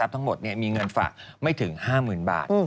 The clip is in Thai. ทั้งหมดมีเงินฝากไม่ถึง๕๐๐๐บาท